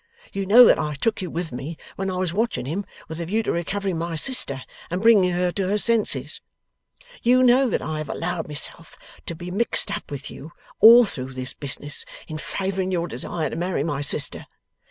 You know that I took you with me when I was watching him with a view to recovering my sister and bringing her to her senses; you know that I have allowed myself to be mixed up with you, all through this business, in favouring your desire to marry my sister.